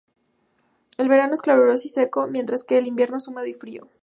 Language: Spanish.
El verano es caluroso y seco, mientras que el invierno es húmedo y frío.